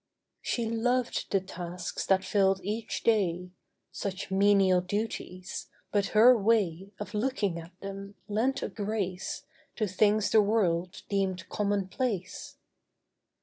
She loved the tasks that filled each day— Such menial duties; but her way Of looking at them lent a grace To things the world deemed commonplace.